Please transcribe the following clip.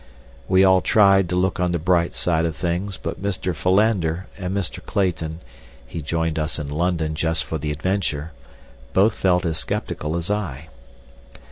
We all tried to look on the bright side of things, but Mr. Philander, and Mr. Clayton—he joined us in London just for the adventure—both felt as skeptical as I.